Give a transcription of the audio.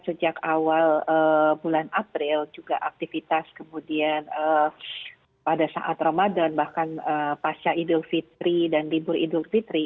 sejak awal bulan april juga aktivitas kemudian pada saat ramadan bahkan pasca idul fitri dan libur idul fitri